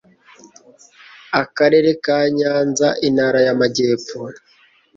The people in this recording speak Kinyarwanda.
akarere ka nyanza intara y amajyepfo